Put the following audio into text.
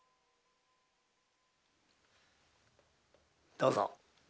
どうぞ。